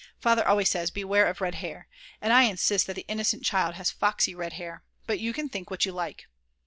Father always says: Beware of red hair! And I insist that the "innocent child" has foxy red hair. But you can think what you like.